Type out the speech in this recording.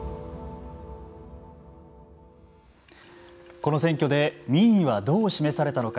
この選挙で民意はどう示されたのか。